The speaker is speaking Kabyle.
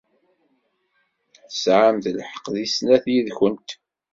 Tesɛamt lḥeqq deg snat yid-went.